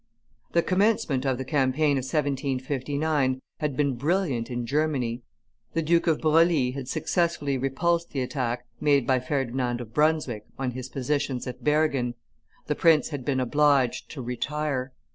The commencement of the campaign of 1759 had been brilliant in Germany; the Duke of Broglie had successfully repulsed the attack made by Ferdinand of Brunswick on his positions at Bergen; the prince had been obliged to retire.